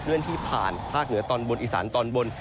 เลื่อนที่ผ่านภาคเหนือตอนบนอีสานตอนบน